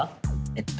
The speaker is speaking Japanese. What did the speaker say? えっと